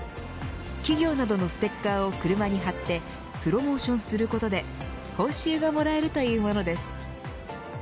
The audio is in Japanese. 企業などのステッカーを車に貼ってプロモーションすることで報酬がもらえるというものです。